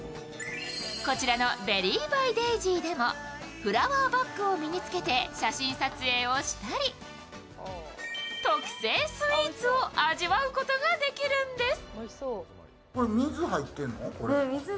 こちらのＢｅｒｒｙｂｙＤａｉｓｙでも、フラワーバッグを身に付けて写真撮影をしたり、特製スイーツを味わうことができるんです。